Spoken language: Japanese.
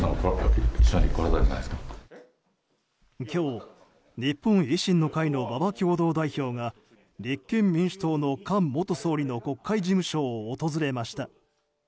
今日、日本維新の会の馬場共同代表が立憲民主党の菅元総理の国会事務所を訪れました。